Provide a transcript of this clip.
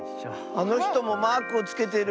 あのひともマークをつけてる。